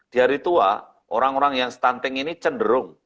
di hari tua orang orang yang stunting ini cenderung